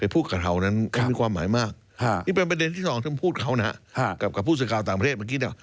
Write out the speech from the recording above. ประกาศที่๒ถึงพูดเขานะกับผู้สื่อคราวต่างประเทศ